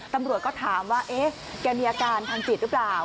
ตำรวจก็ถามว่าเอ๊ะแกมีอาการทางจิตหรือเปล่า